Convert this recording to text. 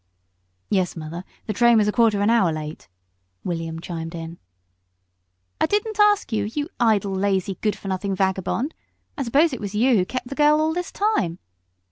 "Yes, mother, the train was a quarter of an hour late," William chimed in. "I didn't ask you, you idle, lazy, good for nothing vagabond. I suppose it was you who kept the girl all this time.